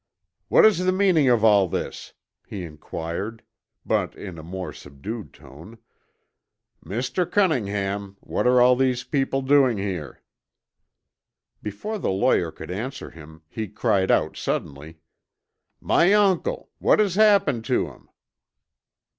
"What is the meaning of all this?" he inquired, but in a more subdued tone. "Mr. Cunningham, what are all these people doing here?" Before the lawyer could answer him, he cried out suddenly, "My uncle! What has happened to him!"